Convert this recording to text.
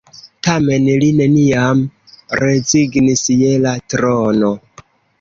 Tamen li neniam rezignis je la trono.